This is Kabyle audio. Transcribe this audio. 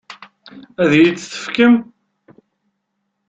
Ad iyi-t-tefkem?